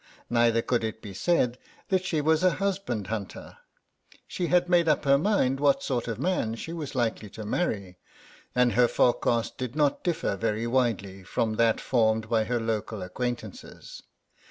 Neither could it be said that she was a husband hunter; she had made up her mind what sort of man she was likely to marry, and her forecast did not differ very widely from that formed by her local acquaintances.